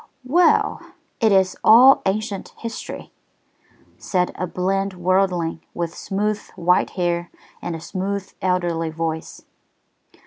"Well, it is all ancient history," said a bland worldling, with smooth, white hair and a smooth, elderly voice.